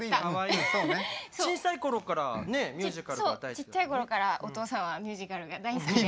ちっちゃい頃からお父さんはミュージカルが大好きで。